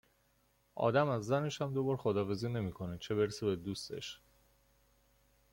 آدم از زنشم دوبار خداحافظی نمیکنه چه برسه به دوستش